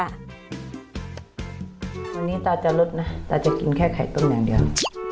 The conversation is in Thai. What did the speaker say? วันนี้ตาจะลดนะตาจะกินแค่ไข่ต้มอย่างเดียว